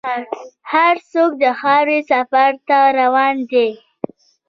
هر څوک د خاورې سفر ته روان دی.